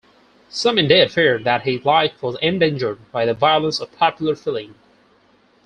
Some indeed feared that his life was endangered by the violence of popular feeling.